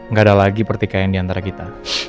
nggak ada lagi pertikaian diantara kita